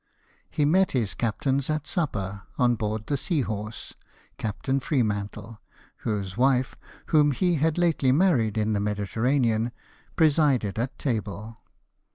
He met his captains at supper on board the Sea horse, Captain Freemantle, whose wife, whom he had lately married in the Mediterranean, presided at table.